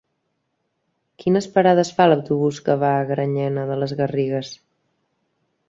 Quines parades fa l'autobús que va a Granyena de les Garrigues?